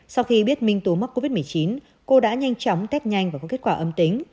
sau khi biết minh tú mắc covid một mươi chín cô đã nhanh chóng test nhanh và có kết quả âm tính